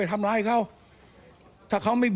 ที่มันก็มีเรื่องที่ดิน